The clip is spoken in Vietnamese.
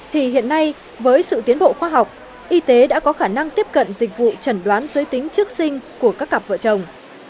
thì hiện nay với sự tiến bộ khoa học y tế đã có khả năng tiếp cận dịch vụ trần đoán giới tính trước sinh của các cặp vợ chồng